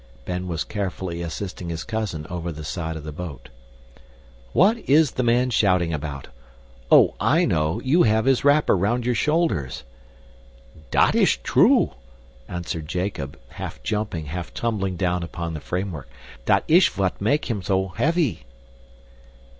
Ben was carefully assisting his cousin over the side of the boat. "What is the man shouting about? Oh, I know, you have his wrapper round your shoulders." "Dat ish true," answered Jacob, half jumping, half tumbling down upon the framework, "dat ish vot make him sho heavy."